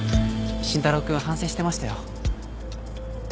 慎太郎君反省してましたよ。